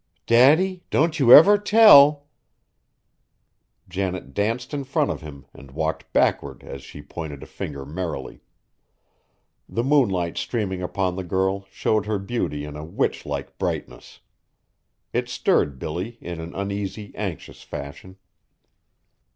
"Daddy, don't you ever tell!" Janet danced in front of him and walked backward as she pointed a finger merrily. The moonlight streaming upon the girl showed her beauty in a witchlike brightness. It stirred Billy in an uneasy, anxious fashion.